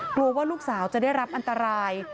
กลัวว่าลูกสาวจะได้รับอันตราย